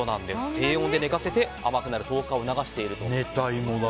低温で寝かせて甘くなる糖化を促していると。